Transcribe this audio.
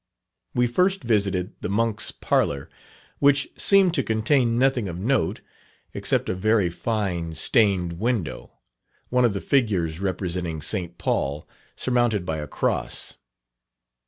We first visited the Monks' Parlour, which seemed to contain nothing of note, except a very fine stained window one of the figures representing St. Paul, surmounted by a cross.